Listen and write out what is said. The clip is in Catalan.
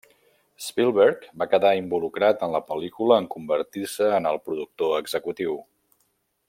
Spielberg va quedar involucrat en la pel·lícula en convertir-se en el productor executiu.